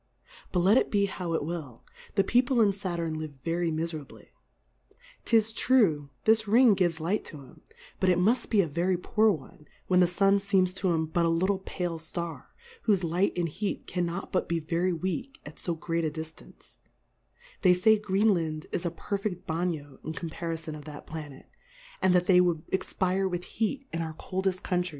But let it be how it will, the People irr Saturn live very Miferably : 'Tis tr,ue,^ this Ring gives Light to 'em, but it muft be a very poor one, v/hen the Sun feems to 'em but a little pale Star, whofe Light and Heat cannot but be very weak at fo great a Diftance ; they fay Greenland is2i perfeQ: Bagnio in com parifon of that Planet, and that they would expire with Heat in our coldefl: Countries.